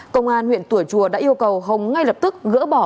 công an huyện tùa chùa đã yêu cầu hồng ngay lập tức gỡ bỏ